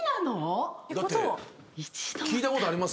だって聞いたことありますよ。